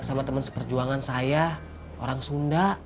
gak sama temen seperjuangan saya orang sunda